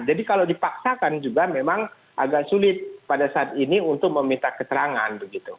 jadi kalau dipaksakan juga memang agak sulit pada saat ini untuk meminta kesempatan